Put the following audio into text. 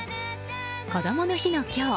こどもの日の今日